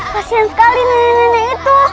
kasian sekali nenek nenek itu